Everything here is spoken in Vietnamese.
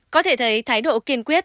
có thể thấy thái độ kiên quyết